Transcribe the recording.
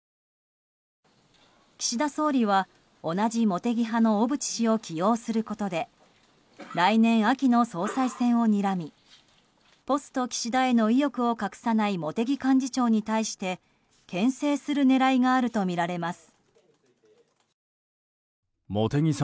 岸田総理は同じ茂木派の小渕氏を起用することで来年秋の総裁選をにらみポスト岸田への意欲を隠さない茂木幹事長に対して牽制する狙いがあるとみられます。